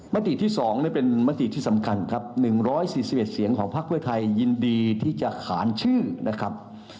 มติที่๒เป็นมติที่สำคัญครับ๑๔๑เสียงของพักเพื่อไทยยินดีที่จะขานชื่อนะครับ